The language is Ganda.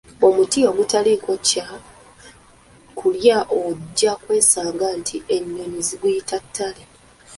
Omuti ogutaliiko kya klya ojja kwesanga nti ennyonnyi ziguyita ttale!